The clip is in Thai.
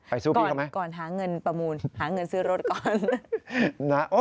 สู้พี่ทำไมก่อนหาเงินประมูลหาเงินซื้อรถก่อน